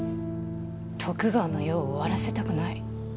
徳川の世を終わらせたくない。